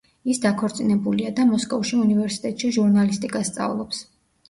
ის დაქორწინებულია და მოსკოვში უნივერსიტეტში ჟურნალისტიკას სწავლობს.